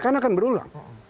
kan akan berulang